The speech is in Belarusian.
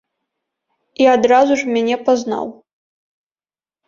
І адразу ж мяне пазнаў!